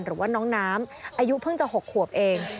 หรือว่าน้องน้ำอายุเพิ่งจะ๖ขวบเอง